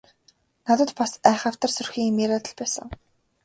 Надад бас айхавтар сүрхий юм яриад л байсан.